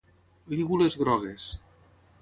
Lígules grogues.